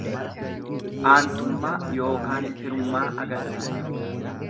Aantummaa yookaan firummaa agarsiisa.